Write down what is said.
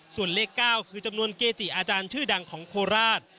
ส่วนเลข๙คือจำนวนเกจิอาจารย์ชื่อดังของโคราช